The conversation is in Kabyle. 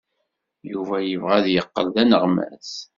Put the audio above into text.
Yuba yebɣa ad yeqqel d aneɣmas.